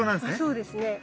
そうですね。